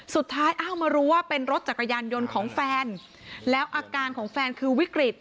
อ้าวมารู้ว่าเป็นรถจักรยานยนต์ของแฟนแล้วอาการของแฟนคือวิกฤต